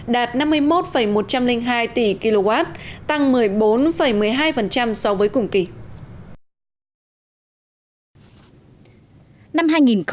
đạt năm mươi một một trăm linh hai tỷ kw tăng một mươi bốn một mươi hai so với cùng kỳ